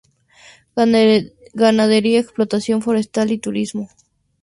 Ganadería, explotación forestal y turismo.